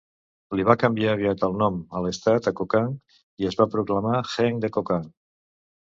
Li va canviar aviat el nom a l"estat a Kokang, i es va proclamar Heng de Kokang.